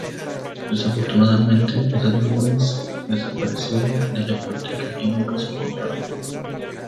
Desafortunadamente, estas memorias se desaparecieron de la biblioteca y nunca se encontraron.